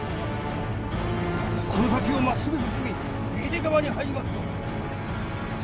この先をまっすぐ進み右手側に入りますと。